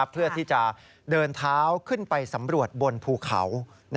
เพื่อที่จะเดินเท้าขึ้นไปสำรวจบนภูเขา